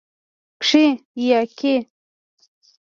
کښې